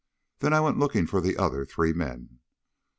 Then I went looking for the other three men.